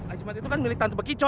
ajimat itu kan milik tante begita